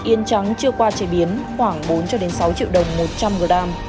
yến trắng chưa qua chế biến khoảng bốn sáu triệu đồng một trăm linh g